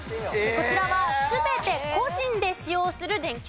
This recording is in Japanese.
こちらは全て個人で使用する電気製品です。